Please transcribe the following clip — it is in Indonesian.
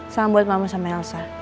salam buat mama sama elsa